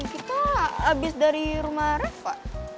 kita abis dari rumah reva